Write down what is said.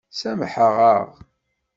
Sameḥ-aɣ.